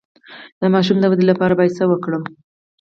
د ماشوم د ودې لپاره باید څه ورکړم؟